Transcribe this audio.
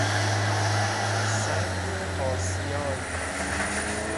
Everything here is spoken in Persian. سنگ آسیای